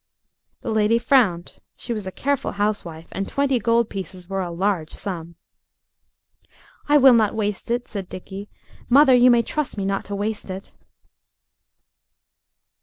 The lady frowned; she was a careful housewife, and twenty gold pieces were a large sum. "I will not waste it," said Dickie. "Mother, you may trust me not to waste it."